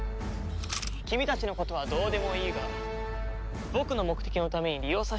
君たちのことはどうでもいいが僕の目的のために利用させてもらった。